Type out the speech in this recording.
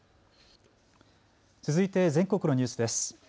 続いて全国のニュースです。